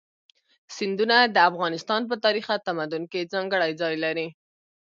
سیندونه د افغانستان په تاریخ او تمدن کې ځانګړی ځای لري.